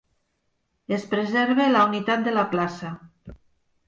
Es preserva la unitat de la plaça.